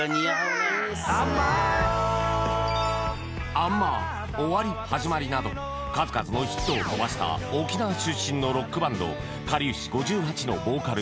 アンマーよなど数々のヒットを飛ばした沖縄出身のロックバンドかりゆし５８のヴォーカル